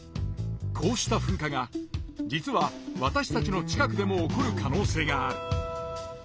こうした噴火が実はわたしたちの近くでも起こる可能性がある。